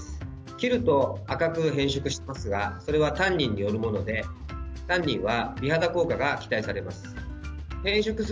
切ると赤く変色しますがそれはタンニンによるものでタンニンは美肌効果が期待されます。